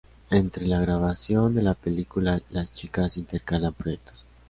Entre la grabación de la película, las chicas intercalan proyectos.